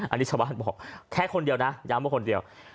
อันนี้ชาวบ้านบอกแค่คนเดียวนะย้ำว่าคนเดียว